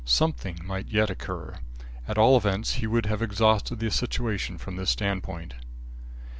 Something might yet occur. At all events he would have exhausted the situation from this standpoint.